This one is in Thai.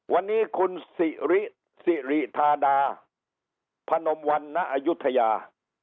วันนี้คุณสี่ฤ้สิฤทาดาพนมวันนะอยุธยา